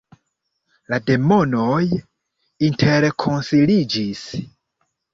La demonoj interkonsiliĝis.